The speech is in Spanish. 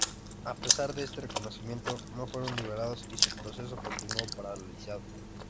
A pesar de este reconocimiento no fueron liberados y su proceso continuó paralizado.